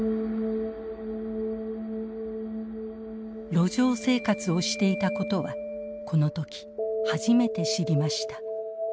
路上生活をしていたことはこのとき初めて知りました。